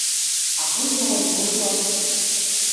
А кым ялан Ошлап